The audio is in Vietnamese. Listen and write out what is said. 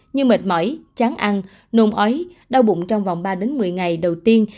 như mệt mỏi chán ăn nôn ói đau bụng trong vòng ba một mươi ngày đầu tiên